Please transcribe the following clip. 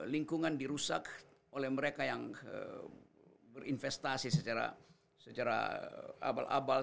lingkungan dirusak oleh mereka yang berinvestasi secara abal abal